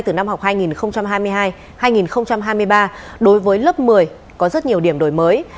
từ năm học hai nghìn hai mươi hai hai nghìn hai mươi ba đối với lớp một mươi có rất nhiều điểm đổi mới